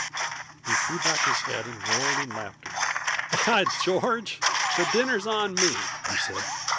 He threw his head back and roared with laughter. "By George! the dinner's on me!" he said.